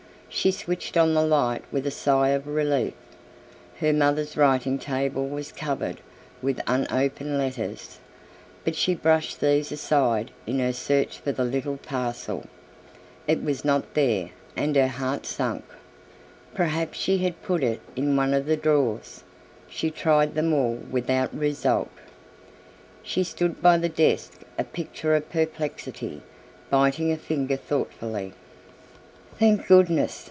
She switched on the light with a sigh of relief. Her mother's writing table was covered with unopened letters, but she brushed these aside in her search for the little parcel. It was not there and her heart sank. Perhaps she had put it in one of the drawers. She tried them all without result. She stood by the desk a picture of perplexity, biting a finger thoughtfully. "Thank goodness!"